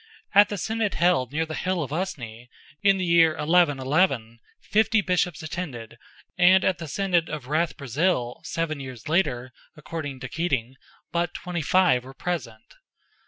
At the Synod held near the Hill of Usny, in the year 1111, fifty Bishops attended, and at the Synod of Rath Brazil, seven years later, according to Keating, but twenty five were present.